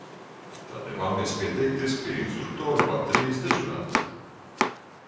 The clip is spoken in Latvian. Tā devāmies pieteikties pie instruktoru baterijas dežuranta.